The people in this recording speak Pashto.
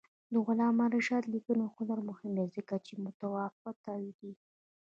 د علامه رشاد لیکنی هنر مهم دی ځکه چې متفاوته دی.